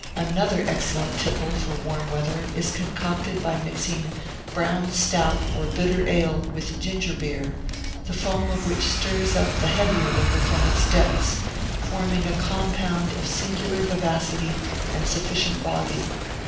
Another excellent tipple for warm weather is concocted by mixing brown stout or bitter ale with ginger beer, the foam of which stirs up the heavier liquor from its depths, forming a compound of singular vivacity and sufficient body.